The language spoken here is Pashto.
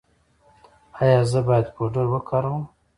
ایا زه باید پوډر وکاروم؟